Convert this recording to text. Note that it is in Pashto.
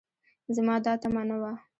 زما دا تمعه نه وه